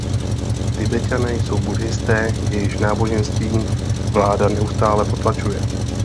Tibeťané jsou buddhisté, jejichž náboženství vláda neustále potlačuje.